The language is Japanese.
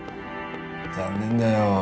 残念だよ。